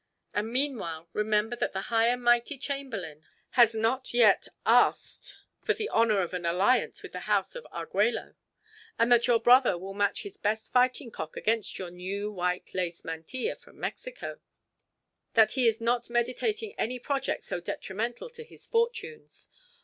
And meanwhile remember that the high and mighty Chamberlain has not yet asked for the honor of an alliance with the house of Arguello, and that your brother will match his best fighting cock against your new white lace mantilla from Mexico, that he is not meditating any project so detrimental to his fortunes.